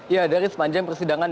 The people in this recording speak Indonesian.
ya dari sepanjang persidangan